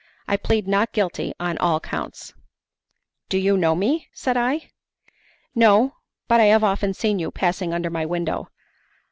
I plead not guilty on all counts." "Do you know me?" said I. "No, but I have often seen you passing under my window.